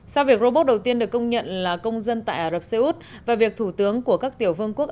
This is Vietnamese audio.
sau việc robot đầu tiên được công nhận là công dân tại ả rập xê út và việc thủ tướng của các tiểu vương quốc